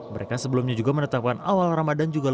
mereka sebelumnya juga menetapkan awal ramadhan juga dengan